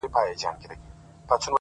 • ما ستا لپاره په خزان کي هم کرل گلونه ـ